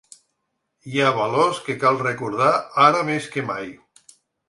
Hi ha valors que cal recordar ara més que mai.